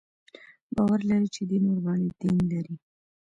باور لري چې دین ورباندې دین لري.